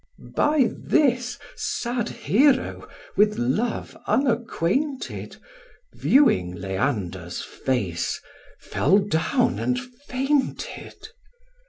By this, sad Hero, with love unacquainted, Viewing Leander's face, fell down and fainted.